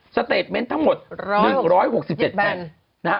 สเตตเมนต์ทั้งหมด๑๖๗แทน